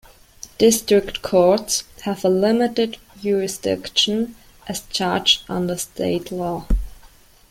District Courts have a limited jurisdiction as charged under state law.